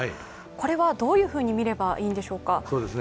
これはどういうふうに見ればいいんでしょうか？